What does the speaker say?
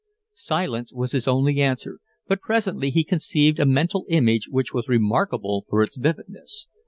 Silence was his only answer, but presently he conceived a mental image which was remarkable for its vividness.